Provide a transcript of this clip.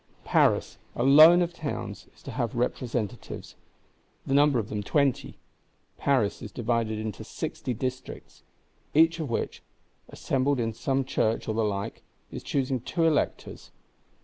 Paris, alone of Towns, is to have Representatives; the number of them twenty. Paris is divided into Sixty Districts; each of which (assembled in some church, or the like) is choosing two Electors.